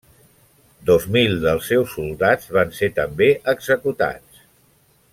Dos mil dels seus soldats van ser també executats.